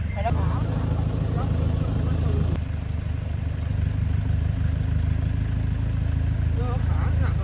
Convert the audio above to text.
กับทุ่มมาวางไว้จนนี้